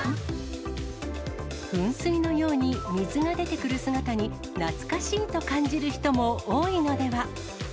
噴水のように水が出てくる姿に、懐かしいと感じる人も多いのでは。